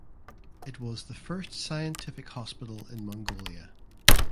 It was the first scientific hospital in Mongolia.